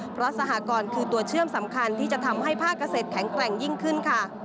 เพราะสหกรณ์คือตัวเชื่อมสำคัญที่จะทำให้ภาคเกษตรแข็งแกร่งยิ่งขึ้นค่ะ